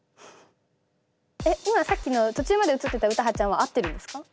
今さっきの途中まで映ってた詩羽ちゃんは合ってるんですか？